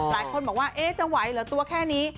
หลายคนบอกว่าจะไหวเหรอตัวแค่นี้